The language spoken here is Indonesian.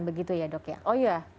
begitu ya dok ya oh iya